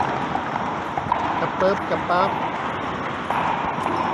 กะเปิ๊บกะป๊าบ